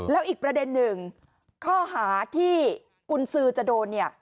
แล้วอีกประเด็น๑ข้อพร้อมที่กุญซือจะโดนเนี่ย